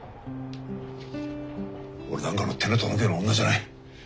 俺なんかの手の届くような女じゃない。